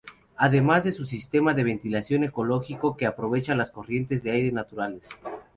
Además de su sistema de ventilación ecológico que aprovecha las corrientes de aire naturales.